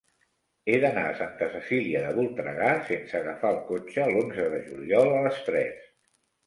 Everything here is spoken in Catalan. He d'anar a Santa Cecília de Voltregà sense agafar el cotxe l'onze de juliol a les tres.